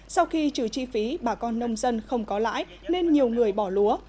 sau khi trừ chi phí bà con nông dân không có lãi nên nhiều người bỏ lúa